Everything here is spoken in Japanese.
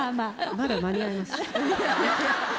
まだ間に合います。